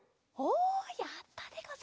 おやったでござる！